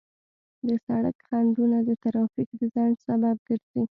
د سړک خنډونه د ترافیک د ځنډ سبب ګرځي.